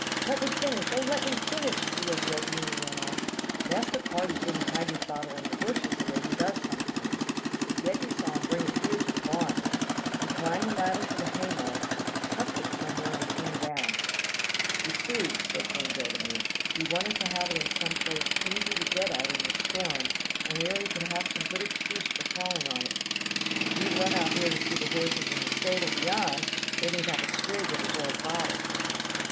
"Let me finish, oh! let me finish," squealed Yeggie, and he went on. "Master Carty didn't hide his bottle in the bushes the way he does sometimes. Yeggie saw him bring it here to the barn. He climbed the ladder to the hay mow, he tucked it somewhere and came down." "You see," said Gringo to me, "he wanted to have it in some place easy to get at in this storm, and where he could have some good excuse for calling on it. He'd run out here to see the horses in the stable beyond, then he'd have a swig at his old bottle."